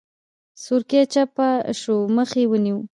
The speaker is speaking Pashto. سورکی چپه شو مخ يې ونيو.